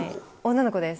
女の子です。